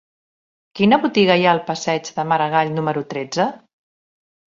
Quina botiga hi ha al passeig de Maragall número tretze?